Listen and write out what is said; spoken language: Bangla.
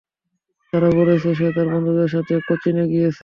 তারা বলছে সে তার বন্ধুর সাথে কোচিনে গিছে।